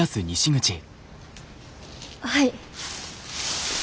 はい。